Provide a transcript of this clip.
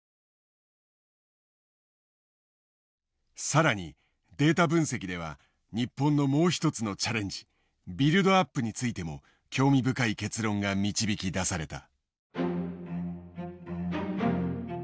更にデータ分析では日本のもう一つのチャレンジビルドアップについても興味深い結論が導き出された。